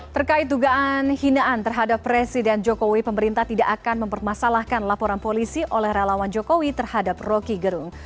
terkait dugaan hinaan terhadap presiden jokowi pemerintah tidak akan mempermasalahkan laporan polisi oleh relawan jokowi terhadap rocky gerung